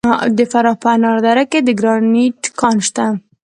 د فراه په انار دره کې د ګرانیټ کان شته.